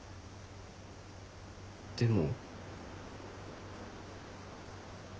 でも。